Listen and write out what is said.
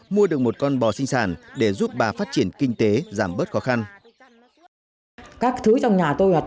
mua được một con bò sinh sản để giúp bà phát triển kinh tế giảm bớt khó khăn